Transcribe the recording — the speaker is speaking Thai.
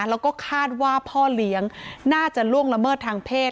แล้วก็คาดว่าพ่อเลี้ยงน่าจะล่วงละเมิดทางเพศ